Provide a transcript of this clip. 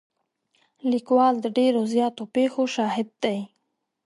لیکوال د ډېرو زیاتو پېښو شاهد دی.